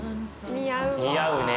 似合うね。